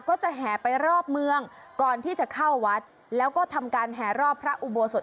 ก็จะแห่ไปรอบเมืองก่อนที่จะเข้าวัดแล้วก็ทำการแห่รอบพระอุโบสถ